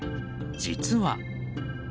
実は。